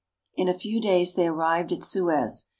In a few days they arrived at Suez.